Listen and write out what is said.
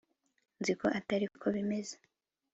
nzi ko atari ko bimeze